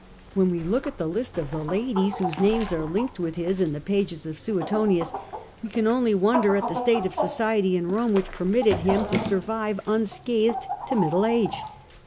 When we look at the list of the ladies whose names are linked with his in the pages of Suetonius, we can only wonder at the state of society in Rome which permitted him to survive unscathed to middle age.